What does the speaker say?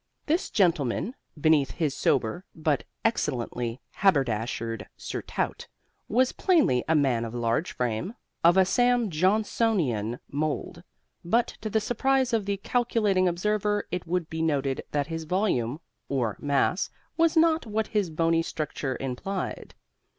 This gentleman, beneath his sober but excellently haberdashered surtout, was plainly a man of large frame, of a Sam Johnsonian mould, but, to the surprise of the calculating observer, it would be noted that his volume (or mass) was not what his bony structure implied.